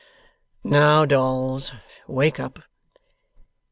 'Now Dolls, wake up!